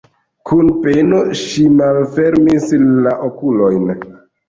Kun peno ŝi malfermis la okulojn.